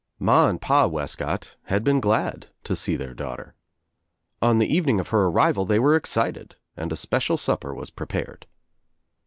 Ma and Pa Wescott had been glad to see their daughter. On the evening of her arrival they were excited and a special supper was prepared.